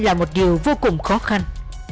là một điều vô cùng khó khăn